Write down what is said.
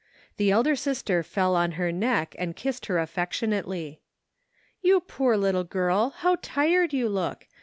The elder sister fell on her neck and kissed her affectionately. " You poor little girl, how tired you look.